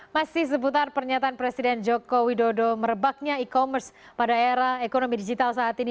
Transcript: masih seputar pernyataan presiden joko widodo merebaknya e commerce pada era ekonomi digital saat ini